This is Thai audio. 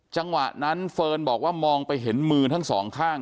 จังหวะนั้นเฟิร์นบอกว่ามองไปเห็นมือทั้งสองข้าง